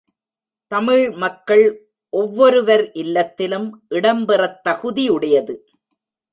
தமிழ் மக்கள் ஒவ்வொருவர் இல்லத்திலும் இடம் பெறத் தகுதியுடையது.